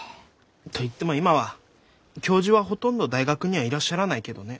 といっても今は教授はほとんど大学にはいらっしゃらないけどね。